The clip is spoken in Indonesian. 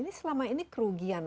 ini selama ini kerugian